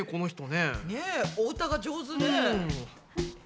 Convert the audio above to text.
ねお歌が上手ね。